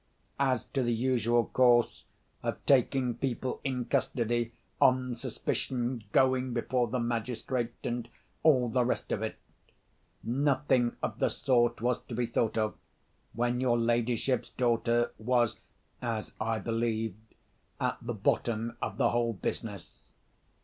As to the usual course of taking people in custody on suspicion, going before the magistrate, and all the rest of it—nothing of the sort was to be thought of, when your ladyship's daughter was (as I believed) at the bottom of the whole business.